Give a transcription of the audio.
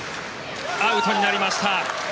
アウトになりました。